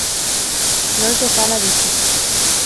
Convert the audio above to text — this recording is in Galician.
Non se fala diso.